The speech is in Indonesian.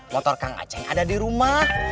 motor kang aceh ada di rumah